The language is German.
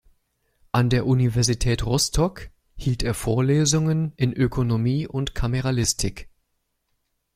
An der Universität Rostock hielt er Vorlesungen in Ökonomie und Kameralistik.